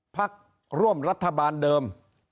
พักร่วมรัฐบาลเดิม